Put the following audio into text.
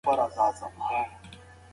وینه بهېدنه کله ناکله څرګندېږي.